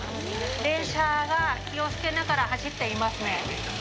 電車が気をつけながら走っていますね。